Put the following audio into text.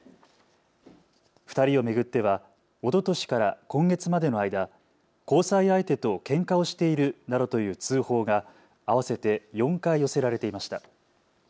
２人を巡ってはおととしから今月までの間、交際相手とけんかをしているなどという通報が合わせて４回寄せられていました。